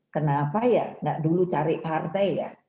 kenapa ya nggak dulu cari partai ya